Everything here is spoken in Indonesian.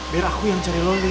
biar aku yang cari lolu